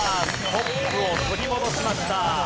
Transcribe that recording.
トップを取り戻しました。